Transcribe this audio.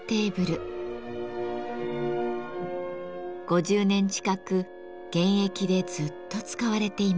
５０年近く現役でずっと使われています。